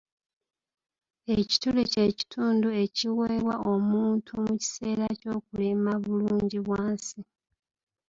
Ekituli ky’ekitundu ekiweebwa omuntu mu kiseera ky’okulima Bulungibwansi.